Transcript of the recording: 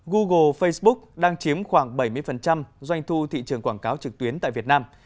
google facebook đang chiếm khoảng bảy mươi doanh thu thị trường quảng cáo trực tuyến tại việt nam